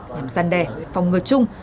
nằm gian đề phòng ngược chung